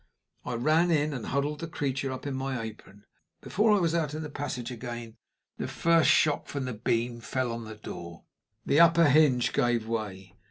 I ran in, and huddled the creature up in my apron. Before I was out in the passage again, the first shock from the beam fell on the door. The upper hinge gave way.